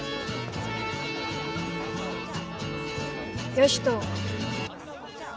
ヨシト。